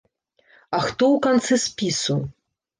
А хто ў канцы спісу?